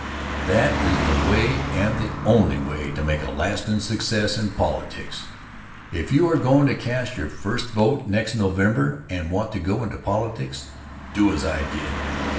That is the way and the only way to' make a lastin' success in politics. If you are goin' to cast your first vote next November and want to go into politics, do as I did.